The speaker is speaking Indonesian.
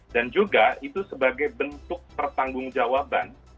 dan juga itu sebagai bentuk pertanggung jawaban